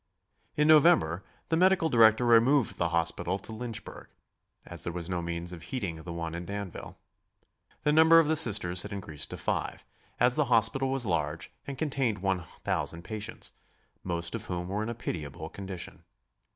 In November the medical director removed the hospital to Lynchburg, as there was no means of heating the one in Danville. The number of the Sisters had increased to five, as the hospital was large and contained one thousand patients, most of whom were in a pitiable condition.